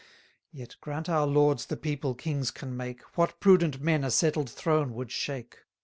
Yet, grant our lords the people kings can make, What prudent men a settled throne would shake?